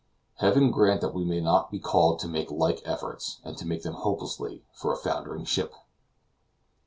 Heaven grant that we may not be called to make like efforts, and to make them hopelessly, for a foundering ship!